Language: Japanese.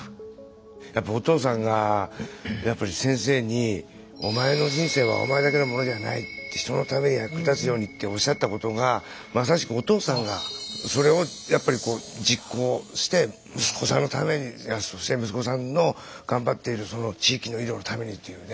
やっぱお父さんがやっぱり先生に「人のために役立つように」っておっしゃったことがまさしくお父さんがそれをやっぱりこう実行して息子さんのためにそして息子さんの頑張っているその地域の医療のためにというね。